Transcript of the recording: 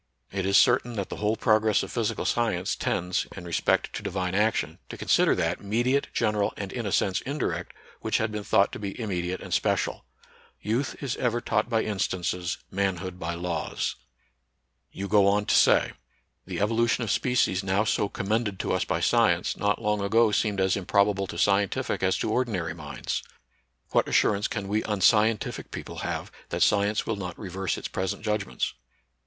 It is certain that the whole progress of physical science tends, in respect to Divine action, to consider that me diate, general, and in a sense indirect, which had been thought to be immediate and special. Youth is ever taught by instances, manhood by laws. You go on to say : The evolution of species now so commended to us by science, not long ago seemed as improbable to scientific as to or dinary minds. What assurance can we unscien tific people have that science will not reverse its present judgments ?